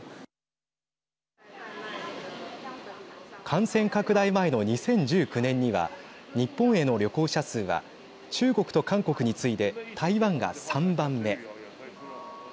感染拡大前の２０１９年には日本への旅行者数は中国と韓国に次いで台湾が３番目。